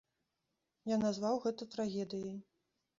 Я назваў гэта трагедыяй.